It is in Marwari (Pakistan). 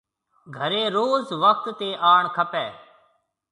گھريَ روز وقت تي آڻ کپيَ۔